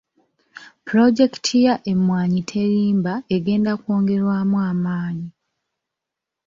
Pulojekiti ya Emmwanyi Terimba egenda kwongerwamu amaanyi.